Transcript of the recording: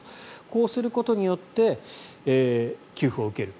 こうすることによって給付を受ける。